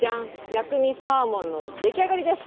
薬味サーモンの出来上がりです。